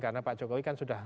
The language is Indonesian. karena pak jokowi kan sudah